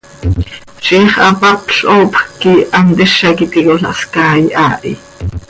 Ziix hapapl hoopjc quih hant hizac iti cola hscaai haa hi.